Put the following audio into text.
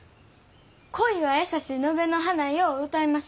「恋はやさし野辺の花よ」を歌います。